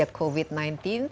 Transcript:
dan inovasi covid sembilan belas